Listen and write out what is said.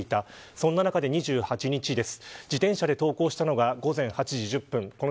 そんな中で２８日です。